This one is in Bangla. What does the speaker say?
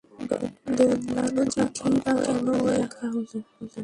দোমড়ানো চিঠিই বা কেন এখানে রাখা হল?